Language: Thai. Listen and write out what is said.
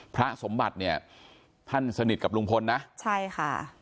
พระสมบัติเนี่ยท่านสนิทกับลุงพลนะใช่ค่ะ